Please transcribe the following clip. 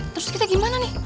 terus kita gimana nih